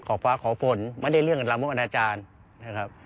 ขอบฟ้าขอบฝนไม่ได้เรื่องกับรามมุมอาจารย์นะครับ